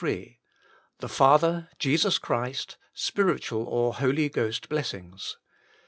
The Father, Jesus Christ, spiritual or Holy Ghost blessings.